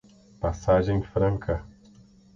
Passagem Franca